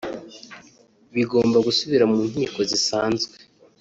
bigomba gusubira mu nkiko zisanzwe